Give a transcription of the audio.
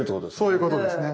そういうことですね。